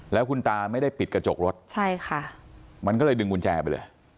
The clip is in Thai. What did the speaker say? แล้วคุณตาไม่ได้ปิดกระจกรถใช่ค่ะมันก็เลยดึงกุญแจไปเลย